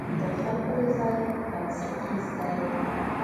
د خلکو رضایت بنسټیز دی.